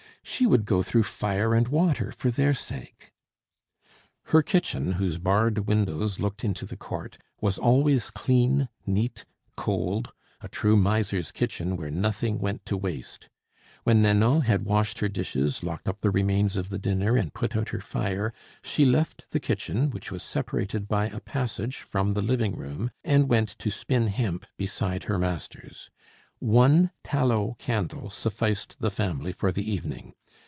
She would go through fire and water for their sake!" Her kitchen, whose barred windows looked into the court, was always clean, neat, cold, a true miser's kitchen, where nothing went to waste. When Nanon had washed her dishes, locked up the remains of the dinner, and put out her fire, she left the kitchen, which was separated by a passage from the living room, and went to spin hemp beside her masters. One tallow candle sufficed the family for the evening.